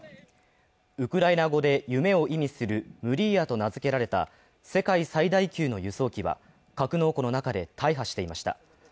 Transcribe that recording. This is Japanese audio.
ウクライナ語で夢を意味するムリーヤと名付けられた世界最大級の輸送機は格納庫の中で大破していました。